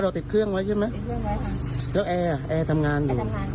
สู้ครับ